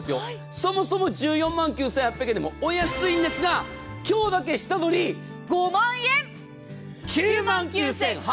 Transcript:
そもそも１４万９８００円でもお安いんですが今日だけ下取り５万円、９万９８００円！